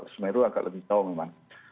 semeru agak lebih jauh memang